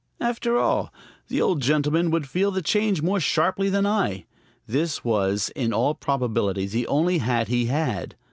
After all, the old gentleman would feel the change more sharply than I. This was, in all probability, the only hat he had.